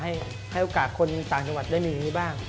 ให้โอกาสคนต่างจังหวัดได้มีอย่างนี้บ้าง